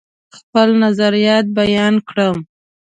خپل نظریات بیان کړم.